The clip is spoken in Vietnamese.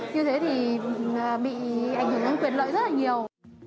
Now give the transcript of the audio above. như thế thì bị ảnh hưởng đến quyền lợi rất là nhiều